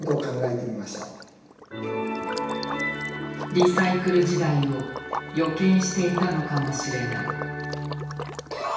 リサイクル時代を予見していたのかもしれない。